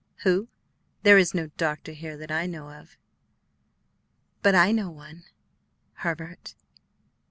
"Who? There is no doctor here that I know of." "But I know one Herbert."